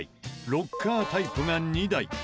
ロッカータイプが２台。